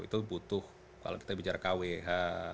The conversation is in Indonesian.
itu butuh kalau kita bicara kwh